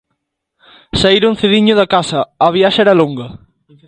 Saíron cediño da casa, a viaxe era longa.